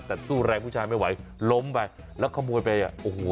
แต่สู้แรงผู้ชายไม่ไหวล้มไปแล้วขโมยไปอ่ะโอ้โห